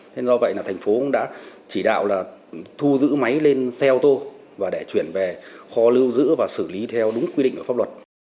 thế do vậy là thành phố cũng đã chỉ đạo là thu giữ máy lên xe ô tô và để chuyển về kho lưu giữ và xử lý theo đúng quy định của pháp luật